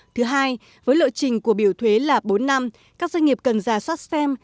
thứ hai với lộ trình của biểu thuế là bốn năm các doanh nghiệp cần giả soát xem